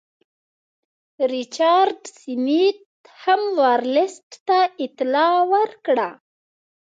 ریچارډ سمیت هم ورلسټ ته اطلاع ورکړه.